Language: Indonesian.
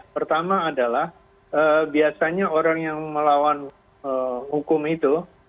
pertama adalah biasanya orang yang melawan hukum itu